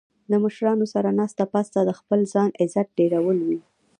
د مشرانو سره ناسته پاسته د خپل ځان عزت ډیرول وي